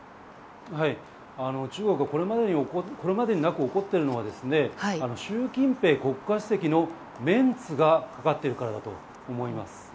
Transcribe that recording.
中国がこれまでになく怒っているのは習近平国家主席のメンツがかかっているからだと思います。